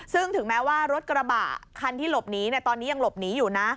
ซึ่งถึงแม้ว่ารถกระบะคันที่หลบหนีตอนนี้ยังหลบหนีอยู่นะ